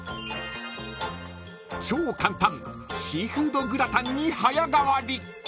［超簡単シーフードグラタンに早変わり］